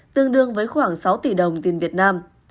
tương đương với khoảng sáu tỷ đồng tiền việt nam